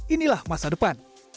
inilah masa depan